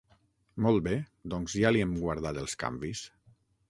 Molt bé, doncs ja li hem guardat els canvis.